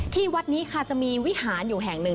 ที่วัดนี้ค่ะจะมีวิหารอยู่แห่งหนึ่ง